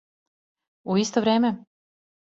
У исто време?